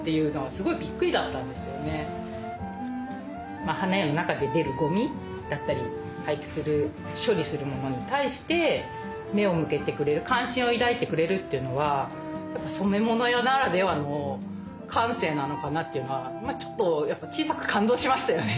まあ花屋の中で出るごみだったり廃棄する処理するものに対して目を向けてくれる関心を抱いてくれるっていうのはやっぱ染め物屋ならではの感性なのかなっていうのはちょっとやっぱ小さく感動しましたよね。